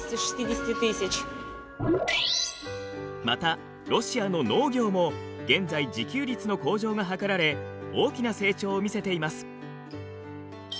またロシアの農業も現在自給率の向上が図られ大きな成長を見せています。